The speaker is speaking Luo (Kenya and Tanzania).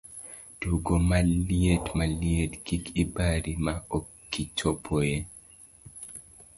Tugo Maliet Maliet, kik ibari ma okichopo eeee!